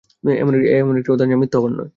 এ এমন একটি ওয়াদা যা মিথ্যা হবার নয়।